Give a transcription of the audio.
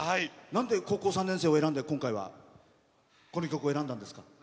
なんで「高校三年生」を選んで、今回はこの曲を選んだんですか？